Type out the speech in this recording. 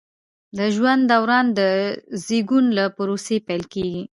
د ژوند دوران د زیږون له پروسې پیل کیږي.